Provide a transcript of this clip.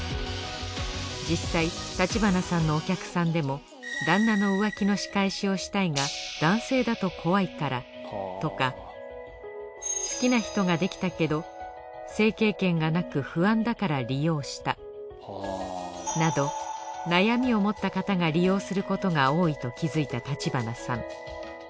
実際橘さんのお客さんでも旦那の浮気の仕返しをしたいが男性だと怖いからとか好きな人ができたけど性経験がなく不安だから利用したなど悩みを持った方が利用することが多いと気づいた橘さん。